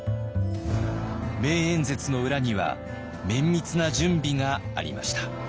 名演説の裏には綿密な準備がありました。